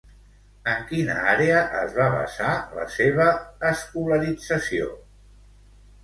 En quina àrea es va basar la seva escolarització?